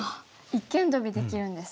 一間トビできるんですね。